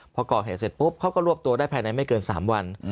พอก่อเหตุเสร็จปุ๊บเขาก็รวบตัวได้ภายในไม่เกิน๓วัน